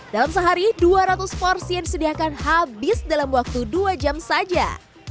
dalam sehari dua ratus porsi yang disediakan habis dalam waktu dua jam saja